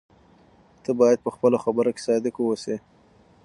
ته باید په خپلو خبرو کې صادق واوسې.